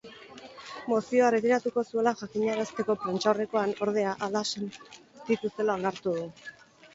Mozioa erretiratuko zuela jakinarazteko prentsaurrekoan, ordea, hala sentitu zela onartu du.